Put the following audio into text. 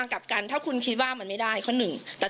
ขอฝากรัฐมนตรีอนุษย์